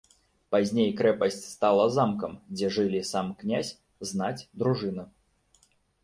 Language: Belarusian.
Пазней крэпасць стала замкам, дзе жылі сам князь, знаць, дружына.